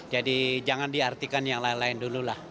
jadi jangan diartikan yang lain lain dulu lah